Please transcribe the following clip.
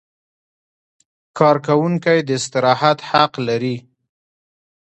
کارکوونکی د استراحت حق لري.